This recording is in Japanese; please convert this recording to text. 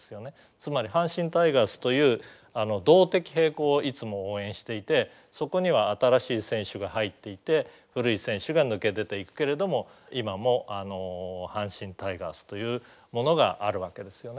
つまり阪神タイガースという動的平衡をいつも応援していてそこには新しい選手が入っていて古い選手が抜け出ていくけれども今も阪神タイガースというものがあるわけですよね。